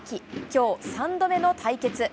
今日３度目の対決。